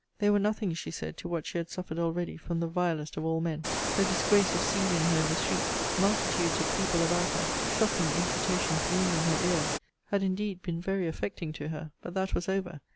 They were nothing, she said, to what she had suffered already from the vilest of all men. The disgrace of seizing her in the street; multitudes of people about her; shocking imputations wounding her ears; had indeed been very affecting to her. But that was over.